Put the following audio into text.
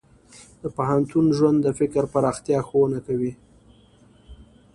د پوهنتون ژوند د فکر پراختیا ښوونه کوي.